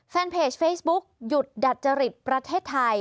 แฟนเพจเฟซบุ๊กหยุดดัจจริตประเทศไทย